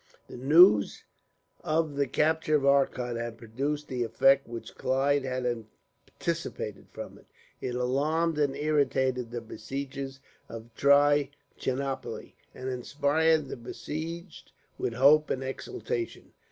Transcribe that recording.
The news of the capture of Arcot had produced the effect which Clive had anticipated from it. It alarmed and irritated the besiegers of Trichinopoli, and inspired the besieged with hope and exultation.